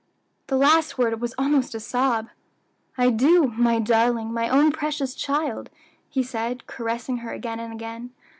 The last word was almost a sob. "I do, my darling, my own precious child," he said, caressing her again and again.